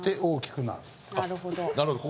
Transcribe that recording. なるほど。